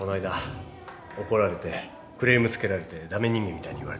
怒られてクレームつけられて駄目人間みたいに言われて。